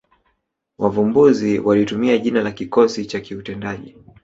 Wavumbuzi walitumia jina la kikosi cha kiutendaji